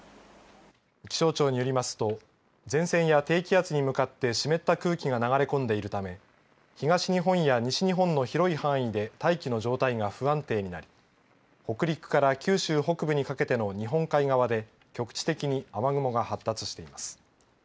気象庁によりますと前線や低気圧に向かって湿った空気が流れ込んでいるため東日本や西日本の広い範囲で大気の状態が不安定になり北陸から九州北部にかけての日本海側で局地的に雨雲が発達しています。